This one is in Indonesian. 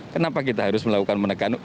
kenapa kita harus melakukan penegakan hukum